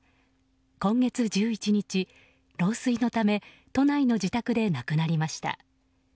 今月１１日、老衰のため都内の自宅で亡くなりました。